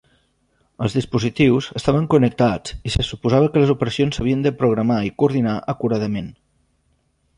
Els dispositius estaven connectats i se suposava que les operacions s'havien de programar i coordinar acuradament.